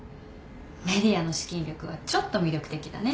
ＭＥＤＩＡの資金力はちょっと魅力的だね。